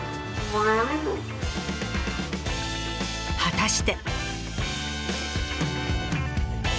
果たして。